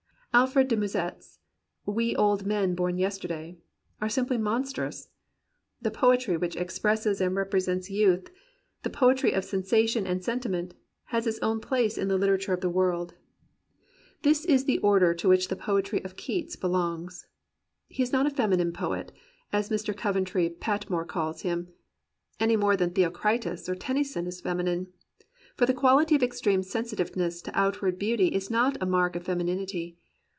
Alfred de Musset's "We old men bom yesterday" are simply monstrous. The poetry which expresses and represents youth, the poetry of sensation and sentiment, has its own place in the literature of the 174 THE POET OF IMMORTAL YOUTH world. This is the order to which the poetry of Keats belongs. He is not a feminine poet, as Mr. Coventry Pat more calls him, any more than Theocritus or Tennyson is feminine; for the quaHty of extreme sensitiveness to outward beauty is not a mark of femininity.